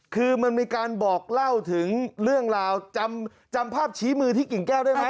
คือมันมีการบอกเล่าถึงเรื่องราวจำภาพชี้มือที่กิ่งแก้วได้ไหม